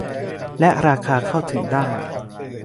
และราคาเข้าถึงได้